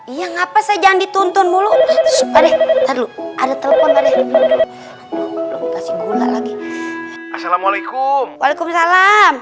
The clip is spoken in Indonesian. iya ngapa saya jangan dituntun mulu supadek aduh ada telepon lagi assalamualaikum waalaikumsalam